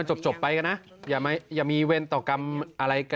นี่แหละครับ